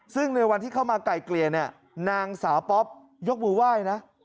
ซึ่งในวันที่เข้ามาไก่เกลี่ยเนี่ยนางสาวป๊อปยกมือไหว้นะ